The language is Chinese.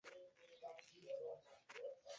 秦时朝歌邑属三川郡。